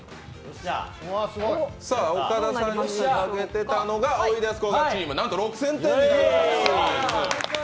岡田さんに賭けていたのがおいでやすこがチームなんと６０００点になりました。